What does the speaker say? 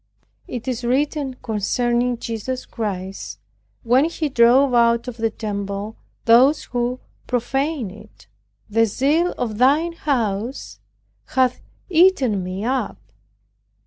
It is written concerning Jesus Christ, when he drove out of the temple those who profaned it. "The zeal of thine house hath eaten me up."